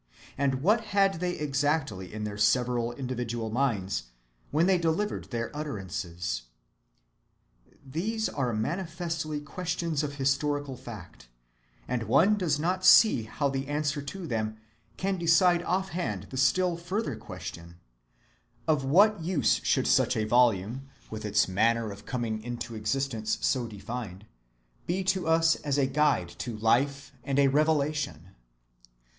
And what had they exactly in their several individual minds, when they delivered their utterances? These are manifestly questions of historical fact, and one does not see how the answer to them can decide offhand the still further question: of what use should such a volume, with its manner of coming into existence so defined, be to us as a guide to life and a revelation?